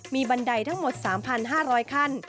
มีบันไดทั้งหมด๓๕๐๐ขั้น